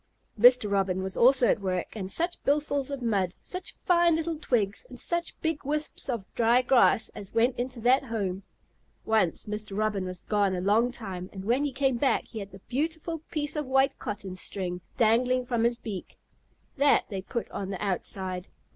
Mr. Robin was also at work, and such billfuls of mud, such fine little twigs, and such big wisps of dry grass as went into that home! Once Mr. Robin was gone a long time, and when he came back he had a beautiful piece of white cotton string dangling from his beak. That they put on the outside.